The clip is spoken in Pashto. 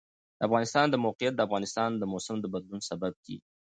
د افغانستان د موقعیت د افغانستان د موسم د بدلون سبب کېږي.